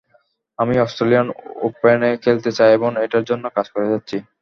আমি অস্ট্রেলিয়ান ওপেনে খেলতে চাই এবং এটার জন্য কাজ করে যাচ্ছি।